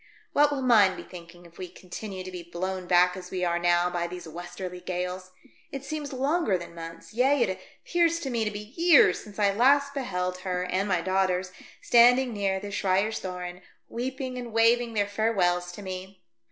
What will mine be thinking if we continue to be blown back as we are now by these westerly gales ? It seems longer than months, yea, it appears to me to be years, since I last beheld her and my daughters standing near the Schreyerstoren, weeping and waving their farewells to me.